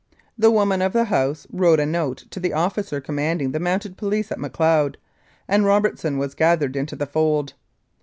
The woman of the house wrote a note to the officer commanding the Mounted Police at Macleod, and Robertson was gathered into the fold.